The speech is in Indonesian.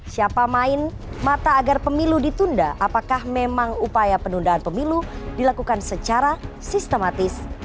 siapa main mata agar pemilu ditunda apakah memang upaya penundaan pemilu dilakukan secara sistematis